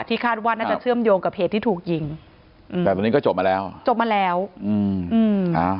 คาดว่าน่าจะเชื่อมโยงกับเหตุที่ถูกยิงอืมแต่ตอนนี้ก็จบมาแล้วจบมาแล้วอืมอืมอ่า